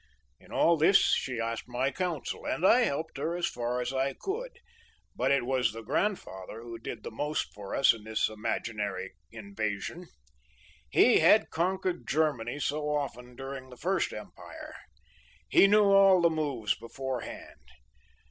In all this she asked my counsel, and I helped her as far as I could, but it was the grandfather who did the most for us in this imaginary invasion. He had conquered Germany so often during the First Empire. He knew all the moves beforehand.